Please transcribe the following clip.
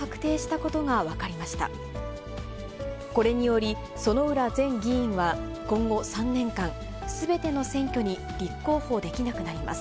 これにより、薗浦前議員は、今後３年間、すべての選挙に立候補できなくなります。